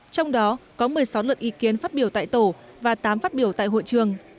trong đó có một mươi sáu luật ý kiến phát biểu tại tổ và tám phát biểu tại hội trường